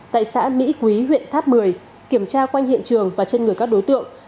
tại xã mỹ quý huyện tháp một mươi kiểm tra quanh hiện trường và trên người các đối tượng